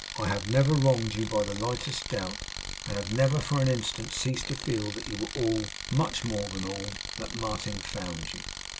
I have never wronged you by the lightest doubt, and have never for an instant ceased to feel that you were all much more than all that Martin found you.